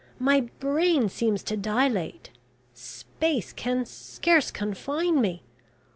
My brain seems to dilate! Space can scarce confine me!